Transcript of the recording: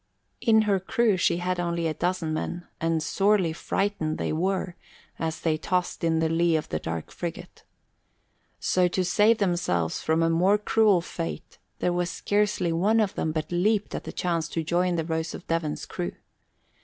In her crew she had only a dozen men, and sorely frightened they were, as they tossed in the lee of the dark frigate. So to save themselves from a more cruel fate there was scarcely one of them but leaped at the chance to join the Rose of Devon's crew.